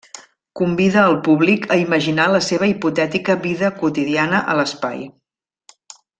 Convida al públic a imaginar la seva hipotètica vida quotidiana a l'espai.